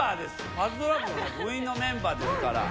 パズドラ部の部員のメンバーですから。